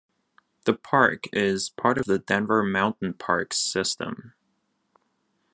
The park is part of the Denver Mountain Parks system.